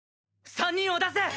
３人を出せ！